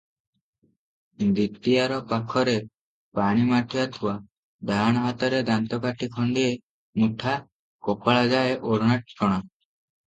ଦ୍ୱିତୀୟାର ପାଖରେ ପାଣି ମାଠିଆ ଥୁଆ, ଡାହାଣ ହାତରେ ଦାନ୍ତକାଠି ଖଣ୍ତିଏ ମୁଠା, କପାଳ ଯାଏ ଓଢ଼ଣାଟଣା ।